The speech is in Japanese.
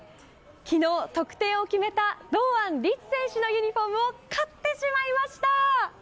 昨日、得点を決めた堂安律選手のユニホームを買ってしまいました！